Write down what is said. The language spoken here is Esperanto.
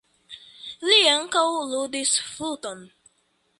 Li ankaŭ ludis fluton.